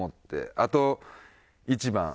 あと１番。